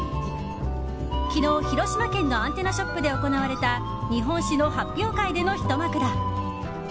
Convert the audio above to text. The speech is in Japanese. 昨日、広島県のアンテナショップで行われた日本酒の発表会でのひと幕だ。